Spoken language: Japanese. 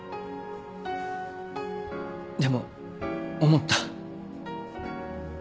でも思った。